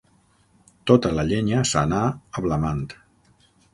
Tota la llenya s'anà ablamant.